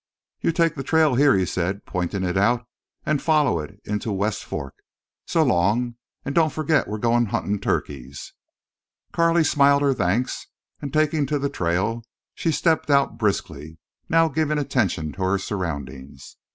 "You take the trail heah," he said, pointing it out, "an' foller it into West Fork. So long, an' don't forget we're goin' huntin' turkeys." Carley smiled her thanks, and, taking to the trail, she stepped out briskly, now giving attention to her surroundings.